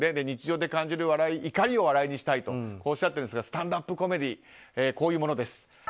日常で感じる怒りを笑いにしたいとおっしゃっていますがスタンダップコメディーこういうものです。